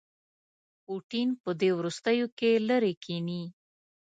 پوټین په دې وروستیوکې لیرې کښيني.